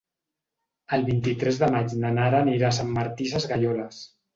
El vint-i-tres de maig na Nara anirà a Sant Martí Sesgueioles.